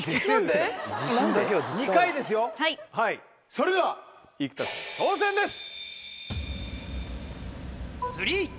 それでは生田さんの挑戦です！